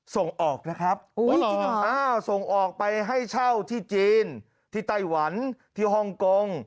ส่งออกนะครับส่งออกไปให้เช่าที่จีนที่ไต้หวันที่ฮ่องกง